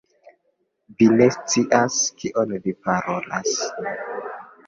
Vi ne scias kion vi parolas.